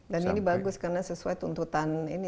dan ini bagus karena sesuai tuntutan ini